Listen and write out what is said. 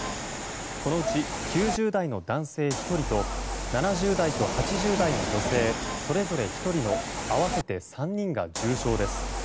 このうち９０代の男性１人と７０代と８０代の女性それぞれ１人の合わせて３人が重症です。